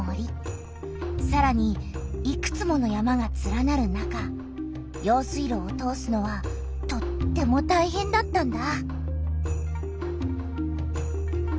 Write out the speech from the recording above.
さらにいくつもの山がつらなる中用水路を通すのはとってもたいへんだったんだ。